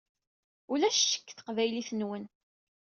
Ulac ccek deg teqbaylit-nwen.